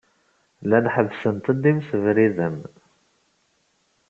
Llant ḥebbsent-d imsebriden.